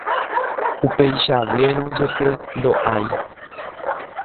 Upeichavérõ jepe ndo'ái.